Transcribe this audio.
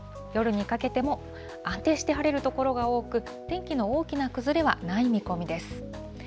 夜にかけても安定して晴れる所が多く、天気の大きな崩れはない見込みです。